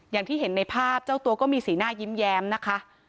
อย่างที่เห็นในภาพเจ้าตัวก็มีสีหน้ายิ้มแย้มนะคะ